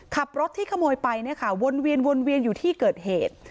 ขับรถที่ขโมยไปวนเวียนอยู่ที่เกิดเหตุ